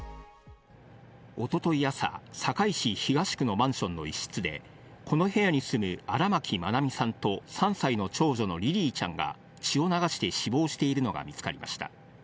一昨日朝、堺市東区のマンションの一室で、この部屋に住む、荒牧愛美さんと３歳の長女のリリィちゃんが血を流して死亡しているのが見つかりました。